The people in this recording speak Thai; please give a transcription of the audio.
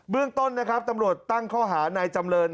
เรื่องต้นนะครับตำรวจตั้งข้อหานายจำเริน